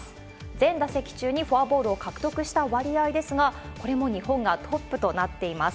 全打席中にフォアボールを獲得した割合ですが、これも日本がトップとなっています。